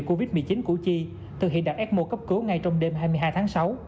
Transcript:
covid một mươi chín củ chi thực hiện đặt f một cấp cứu ngay trong đêm hai mươi hai tháng sáu